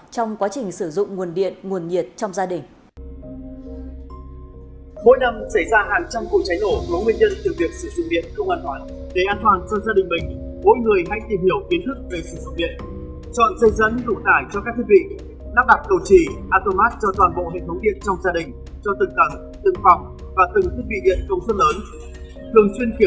trong quá trình sử dụng nguồn điện nguồn nhiệt trong gia đình